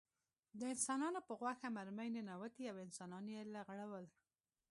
د انسانانو په غوښه مرمۍ ننوتې او انسانان یې لغړول